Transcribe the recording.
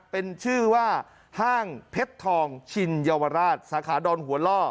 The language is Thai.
เป็นชื่อว่าห้างเพชรทองชินเยาวราชสาขาดอนหัวล่อ